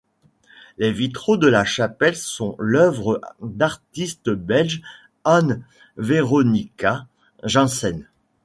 Les vitraux de la chapelle sont l'œuvre d'artiste belge Ann Veronica Janssens.